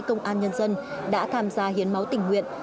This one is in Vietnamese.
công an nhân dân đã tham gia hiến máu tình nguyện